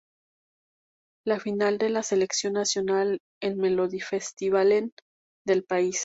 La final de la selección nacional en Melodifestivalen del país.